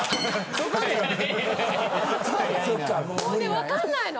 分かんないの。